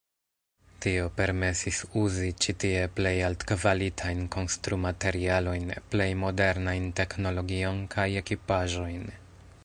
Tio permesis uzi ĉi tie plej altkvalitajn konstrumaterialojn, plej modernajn teknologion kaj ekipaĵojn.